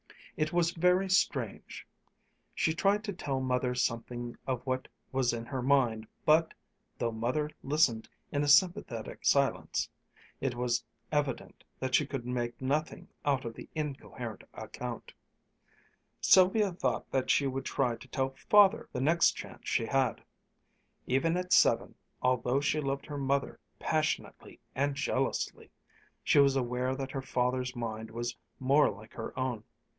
It was very strange. She tried to tell Mother something of what was in her mind, but, though Mother listened in a sympathetic silence, it was evident that she could make nothing out of the incoherent account. Sylvia thought that she would try to tell Father, the next chance she had. Even at seven, although she loved her mother passionately and jealously, she was aware that her father's mind was more like her own.